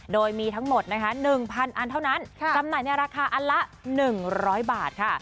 โดยมีทั้งหมดนะคะ๑๐๐อันเท่านั้นจำหน่ายในราคาอันละ๑๐๐บาทค่ะ